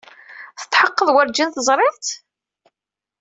Tetḥeqqeḍ werjin teẓriḍ-t?